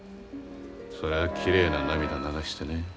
それはきれいな涙流してね。